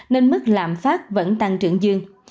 nên mức làm phát vẫn tăng trưởng dương